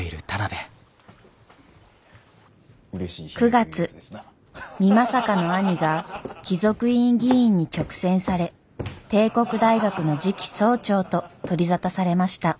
９月美作の兄が貴族院議員に勅選され帝国大学の次期総長と取り沙汰されました。